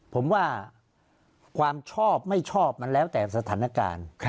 ผมว่าความชอบไม่ชอบมันแล้วแต่สถานการณ์